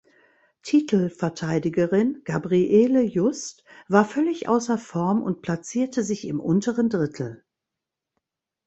Titelverteidigerin Gabriele Just war völlig außer Form und platzierte sich im unteren Drittel.